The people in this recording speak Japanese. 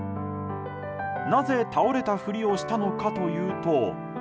なぜ倒れたふりをしたのかというと。